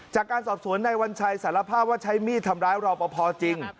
จากการสอบสวนในวัญชัยสารภาพว่าใช้มีดทำร้ายรอปภจริง